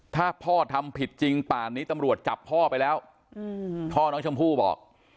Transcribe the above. ถ้าพ่อทำผิดจริงป่านนี้ตำรวจจับพ่อไปแล้วพ่อน้องชมพู่บอก